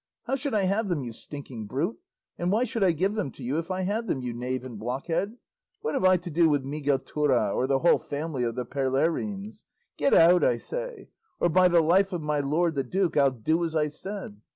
How should I have them, you stinking brute? And why should I give them to you if I had them, you knave and blockhead? What have I to do with Miguelturra or the whole family of the Perlerines? Get out I say, or by the life of my lord the duke I'll do as I said.